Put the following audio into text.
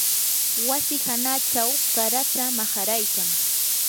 wasi hanachaw qaratsa maharaykan